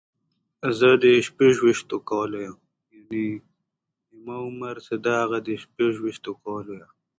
ښوونځي او پوهنتونونه په افغانستان کې ډير دي